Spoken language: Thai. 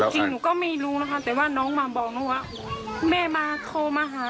จริงก็น้องหมาบอกว่าพี่แม่มาโทรมาหา